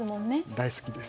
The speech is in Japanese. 大好きです。